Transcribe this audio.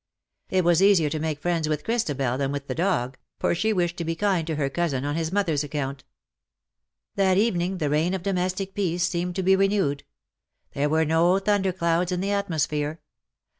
It was easier to make friends with Christabel than with the dog_, for she wished to be kind to her cousin on his mother^s account. That evening the reign of domestic peace seemed to be renewed. There were no thunder clouds in the atmosphere.